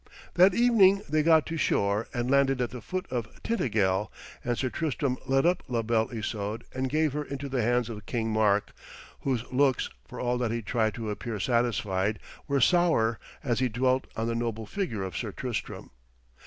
That evening they got to shore, and landed at the foot of Tintagel, and Sir Tristram led up La Belle Isoude and gave her into the hands of King Mark, whose looks, for all that he tried to appear satisfied, were sour as he dwelt on the noble figure of Sir Tristram.